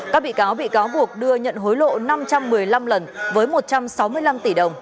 các bị cáo bị cáo buộc đưa nhận hối lộ năm trăm một mươi năm lần với một trăm sáu mươi năm tỷ đồng